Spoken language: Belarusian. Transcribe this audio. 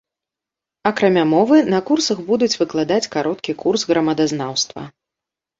Акрамя мовы, на курсах будуць выкладаць кароткі курс грамадазнаўства.